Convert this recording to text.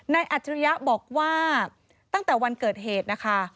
นายอัจจุยะบอกว่าตั้งแต่วันเกิดเหตุ